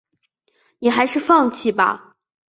你还是放弃吧